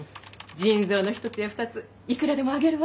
腎臓の１つや２ついくらでもあげるわ。